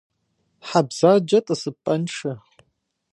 Хьэ бзаджэ тӏысыпӏэншэ.